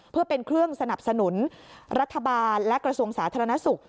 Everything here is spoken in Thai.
เพื่อเป็นเครื่องสนับสนุนรัฐบาลและกระทรวงสาธารณสุข